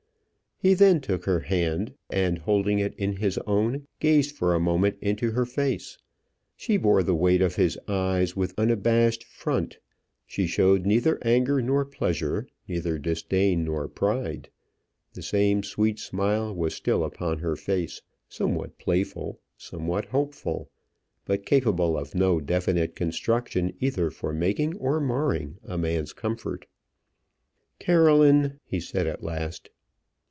He then took her hand, and, holding it in his own, gazed for a moment into her face. She bore the weight of his eyes with unabashed front. She showed neither anger nor pleasure; neither disdain nor pride; the same sweet smile was still upon her face, somewhat playful, somewhat hopeful, but capable of no definite construction either for making or marring a man's comfort. "Caroline!" he said at last.